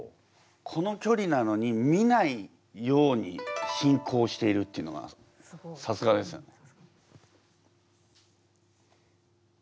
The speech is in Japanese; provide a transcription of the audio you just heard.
このきょりなのに見ないように進行しているっていうのがさすがですよね。